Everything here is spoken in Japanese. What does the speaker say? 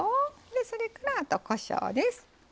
それからこしょうです。